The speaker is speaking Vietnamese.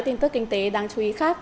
tin tức kinh tế đáng chú ý khác